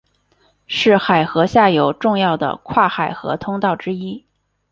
是海河下游重要的跨海河通道之一。